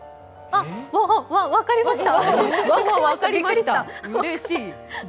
あっ、分かりました。